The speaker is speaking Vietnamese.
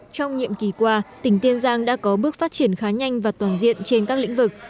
trong nhiệm kỳ qua tỉnh tiên giang đã có bước phát triển khá nhanh và toàn diện trên các lĩnh vực